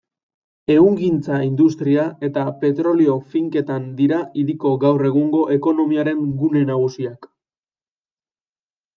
Ehungintza-industria eta petrolio-finketa dira hiriko gaur egungo ekonomiaren gune nagusiak.